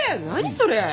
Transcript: それ！